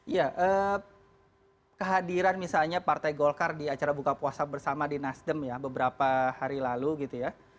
ya kehadiran misalnya partai golkar di acara buka puasa bersama di nasdem ya beberapa hari lalu gitu ya